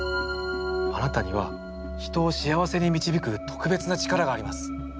あなたには人を幸せに導く特別な力があります。